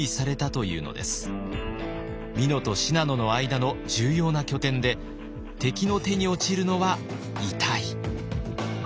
美濃と信濃の間の重要な拠点で敵の手に落ちるのは痛い。